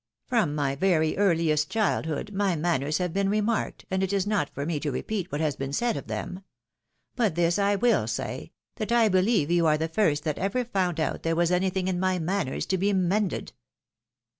From my very earliest childhood, my maimers have been remarked, and it is not for me to repeat what has been said of them. But this I tcill say, that I believe you are the first that ever found out there was anything in my manners to be mended."